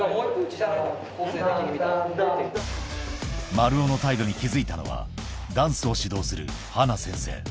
丸尾の態度に気付いたのはダンスを指導するＨＡＮＡ先生